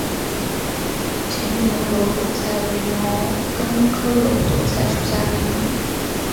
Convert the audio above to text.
秦岭耧斗菜为毛茛科耧斗菜属下的一个种。